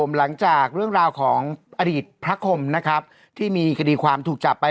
หลังจากเรื่องราวของอดีตพระคมนะครับที่มีคดีความถูกจับไป